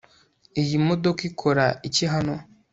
Iyi modoka ikora iki hano